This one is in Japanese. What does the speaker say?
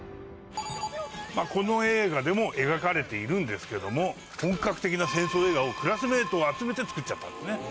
この映画でも描かれているんですけども本格的な戦争映画をクラスメートを集めて作っちゃったんですね。